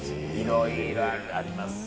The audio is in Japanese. いろいろありますね。